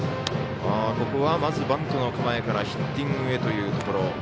ここはバントの構えからヒッティングへというところ。